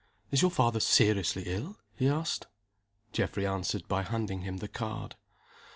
"Is your father seriously ill?" he asked. Geoffrey answered by handing him the card.